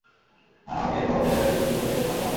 আমাকে একলাপথের পথিক যদি কর সে পথ তোমারই পথ হোক!